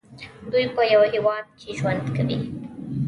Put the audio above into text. دوی په یو هیواد کې ژوند کوي.